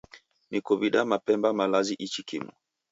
Nikuw'ida mapemba malazi ichi kimu